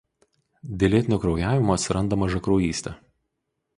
Dėl lėtinio kraujavimo atsiranda mažakraujystė.